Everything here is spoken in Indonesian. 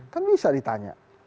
kan bisa ditanya